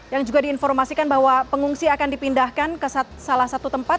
yang juga diinformasikan bahwa pengungsi akan dipindahkan ke salah satu tempat